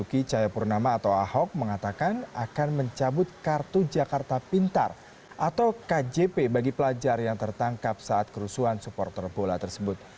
baki cahayapurnama atau ahok mengatakan akan mencabut kartu jakarta pintar atau kjp bagi pelajar yang tertangkap saat kerusuhan supporter bola tersebut